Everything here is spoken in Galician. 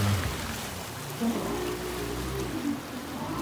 Todo mal.